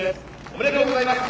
おめでとうございます。